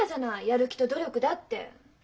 「やる気と努力だ」って。